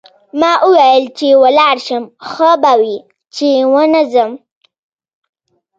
ما وویل چې ولاړ شم ښه به وي چې ونه ځم.